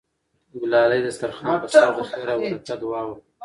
ګلالۍ د دسترخوان په سر د خیر او برکت دعا وکړه.